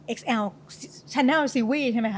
เอ็กแอลชาแนลซิลวี่ใช่ไหมคะ